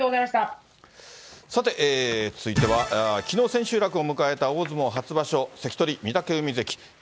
さて、続いてはきのう、千秋楽を迎えた大相撲初場所、関取・御嶽海関。